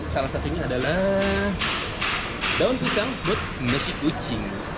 salah satunya adalah daun pisang buat nasi kucing